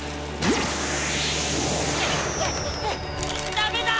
ダメだ！